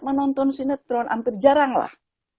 menonton sinetron hampir jarang lah